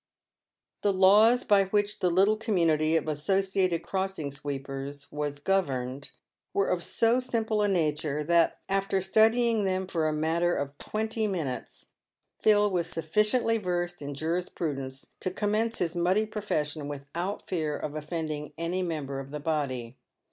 The laws by which the little community of associated crossing sweepers was governed were of so simple a nature, that, after study ing them for a matter of twenty minutes, Phil was sufficiently versed in jurisprudence to commence his muddy profession without fear of offending any member of the body.